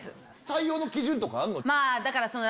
採用の基準とかあるの？